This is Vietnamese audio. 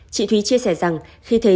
chị thúy chia sẻ rằng khi thấy